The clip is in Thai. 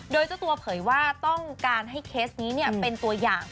โดยเจ้าตัวเผยว่าต้องการให้เคสนี้เป็นตัวอย่าง